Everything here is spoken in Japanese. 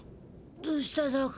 どうしただか？